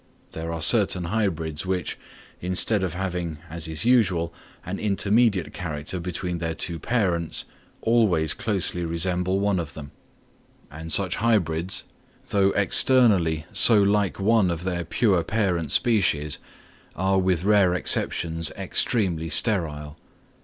There are certain hybrids which, instead of having, as is usual, an intermediate character between their two parents, always closely resemble one of them; and such hybrids, though externally so like one of their pure parent species, are with rare exceptions extremely sterile.